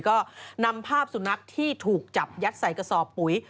ก็นำภาพสุนัขที่ถูกจับยัดใส่กระสอบปุ๋ย